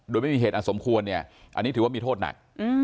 โดยไม่มีเหตุอันสมควรเนี่ยอันนี้ถือว่ามีโทษหนัก